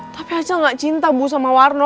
tapi hasil gak cinta bu sama warno